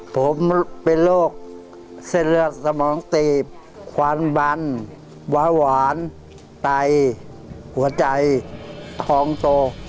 ผมเป็นโรคเส้นเลือดสมองตีบควันบันวาหวานไตหัวใจพองโต